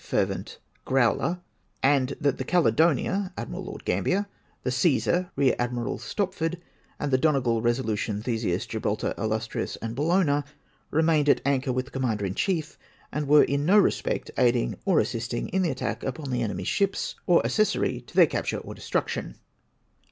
Fervent, Groivler, and that the Caledonia, Admiral Lord Gambier, the Ccesar, Kear Admiral (Stojjford, and the Donegal, Resolution, Theseus, Gibraltar, Illustrious, and Bellona remained at anchor with the commander in chief, and were m no respect aiding or assisting in the attack upon the enemy's ships, or accessary to tlieir capture or destruction.